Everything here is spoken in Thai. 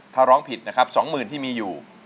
ถ้าร้องผิดนะครับ๒๐๐๐ที่มีอยู่